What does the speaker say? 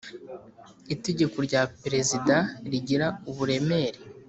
itegeko rya Prezida rigira uburemere